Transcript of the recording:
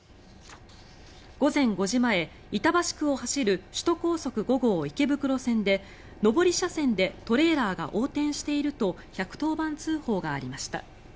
午前５時前、板橋区を走る首都高速５号池袋線で上り車線でトレーラーが横転していると１１０番通報がありました。